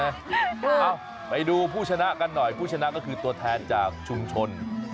เอ้าไปดูผู้ชนะกันหน่อยผู้ชนะก็คือตัวแทนจากชุมชน